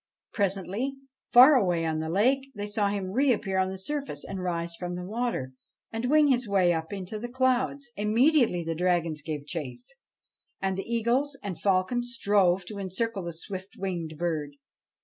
Presently, far away on the lake, they saw him reappear on the surface, and rise from the water, and wing his way up into the clouds. Immediately the dragons gave chase, and the eagles and falcons strove to encircle the swift winged bird.